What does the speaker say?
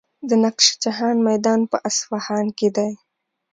د نقش جهان میدان په اصفهان کې دی.